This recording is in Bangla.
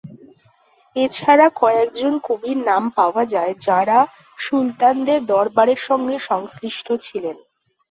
এ ছাড়া কয়েকজন কবির নাম পাওয়া যায় যাঁরা সুলতানদের দরবারের সঙ্গে সংশ্লিষ্ট ছিলেন।